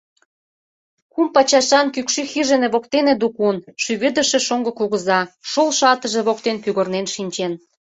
Кум пачашан кӱкшӱ хижине воктене дукун — шӱведыше шоҥго кугыза — шолшо атыже воктен пӱгырнен шинчен.